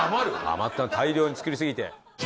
余った大量に作りすぎて。